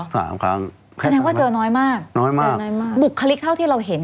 สามครั้งแสดงว่าเจอน้อยมากน้อยมากเจอน้อยมากบุคลิกเท่าที่เราเห็น